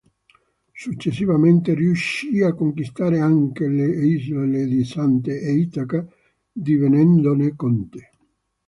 Successivamente riuscì a conquistare anche le isole di Zante e Itaca divenendone conte.